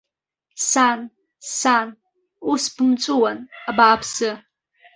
Сан, сан, ус бымҵәыуан, абааԥсы!